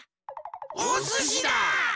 おすしだ！